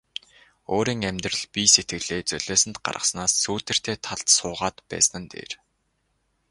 Өөрийн амьдрал бие сэтгэлээ золиосонд гаргаснаас сүүдэртэй талд суугаад байсан нь дээр.